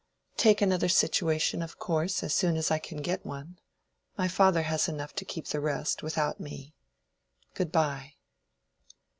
"Take another situation, of course, as soon as I can get one. My father has enough to do to keep the rest, without me. Good by."